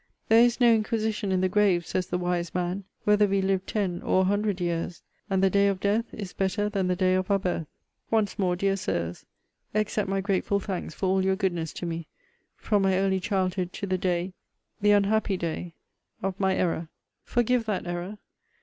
'There is no inquisition in the grave,' says the wise man, 'whether we lived ten or a hundred years; and the day of death is better than the day of our birth.' Once more, dear Sirs, accept my grateful thanks for all your goodness to me, from my early childhood to the day, the unhappy day, of my error! Forgive that error!